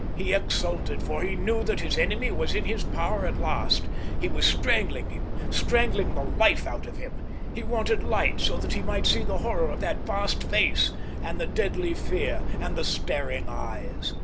He exulted, for he knew that his enemy was in his power at last; he was strangling him, strangling the life out of him. He wanted light so that he might see the horror of that vast face, and the deadly fear, and the staring eyes.